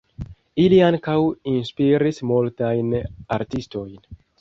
Ili ankaŭ inspiris multajn artistojn.